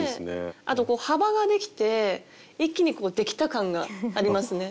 あとこう幅ができて一気にできた感がありますね。